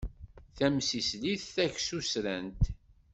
Tamsislit tagsusrant.